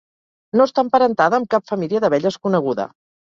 No està emparentada amb cap família d'abelles coneguda.